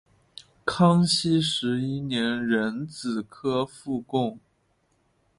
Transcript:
康熙十一年壬子科副贡。